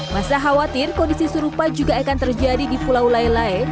masa khawatir kondisi serupa juga akan terjadi di pulau lailae